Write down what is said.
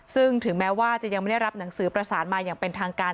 ซึ่งถึงแม้ว่าจะยังไม่ได้รับหนังสือประสานมาอย่างเป็นทางการ